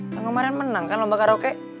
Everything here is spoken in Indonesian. yang kemarin menang kan lomba karaoke